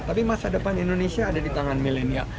tapi masa depan indonesia ada di tangan milenial